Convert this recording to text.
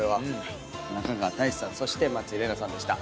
中川大志さんそして松井玲奈さんでした。